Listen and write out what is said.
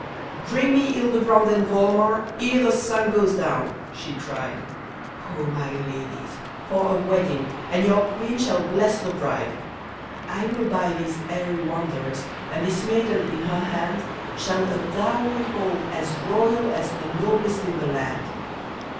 " Bring me Hildebrand and Volmar, ere the sun goes down !" she cried, " Ho ! my ladies, for a wedding, and your queen shall bless the bride !" I will buy these airy wonders, and this maiden in her hand Shall a dowry hold as royal as the noblest in the land."